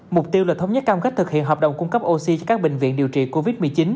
mục tiêu là thống nhất cam kết thực hiện hợp đồng cung cấp oxy cho các bệnh viện điều trị covid một mươi chín